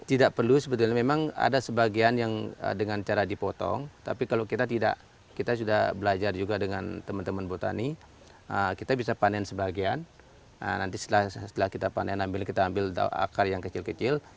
tidak perlu sebetulnya memang ada sebagian yang dengan cara dipotong tapi kalau kita tidak kita sudah belajar juga dengan teman teman botani kita bisa panen sebagian nanti setelah kita panen kita ambil akar yang kecil kecil